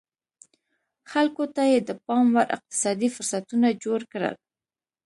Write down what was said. خلکو ته یې د پام وړ اقتصادي فرصتونه جوړ کړل